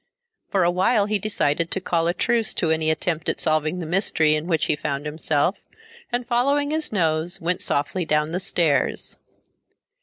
For a while he decided to call a truce to any attempt at solving the mystery in which he found himself, and following his nose, went softly down the stairs.